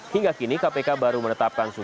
hingga kini kpk baru menetapkan